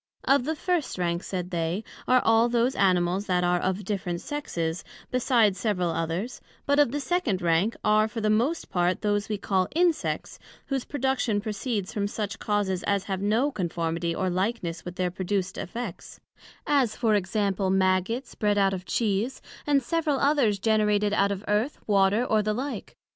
Of the first rank, said they, are all those Animals that are of different sexes, besides several others; but of the second rank are for the most part those we call Insects, whose production proceds from such causes as have no conformity or likeness with their produced Effects; as for example, Maggots bred out of Cheese, and several others generated out of Earth, Water, and the like.